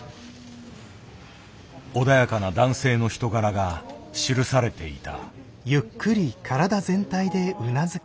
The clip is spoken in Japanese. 穏やかな男性の人柄が記されていた。